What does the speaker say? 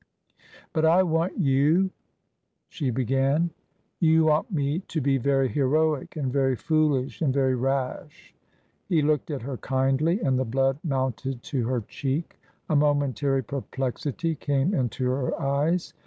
" But I want you " she began. "You want me to be very heroic, and very foolish 21* I 246 TRANSITION. and very rash ?" He looked at her kindly and the blood mounted to her cheek ; a momentary perplexity came into her eyes.